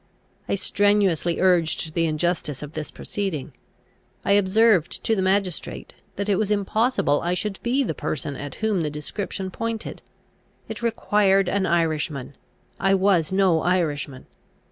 I strenuously urged the injustice of this proceeding. I observed to the magistrate, that it was impossible I should be the person at whom the description pointed. It required an Irishman; I was no Irishman.